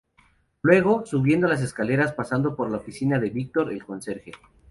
Luego, subiendo las escaleras, pasando por la oficina de Víctor, el conserje.